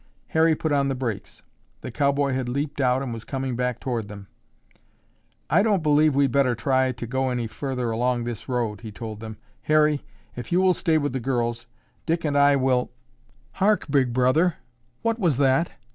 Harry put on the brakes. The cowboy had leaped out and was coming back toward them. "I don't believe we'd better try to go any further along this road," he told them. "Harry, if you will stay with the girls, Dick and I will—" "Hark, Big Brother, what was that?"